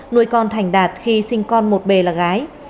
nuôi con thành đạt khi sinh con một bề là gái